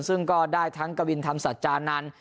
ซึ่งก็ได้ทั้งกวินธรรมสัจจานันทร์